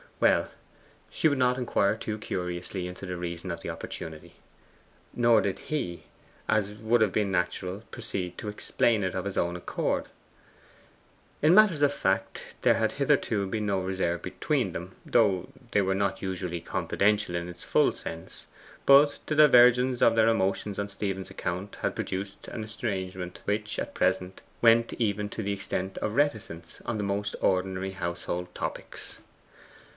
Well, she would not inquire too curiously into the reason of the opportunity, nor did he, as would have been natural, proceed to explain it of his own accord. In matters of fact there had hitherto been no reserve between them, though they were not usually confidential in its full sense. But the divergence of their emotions on Stephen's account had produced an estrangement which just at present went even to the extent of reticence on the most ordinary household topics.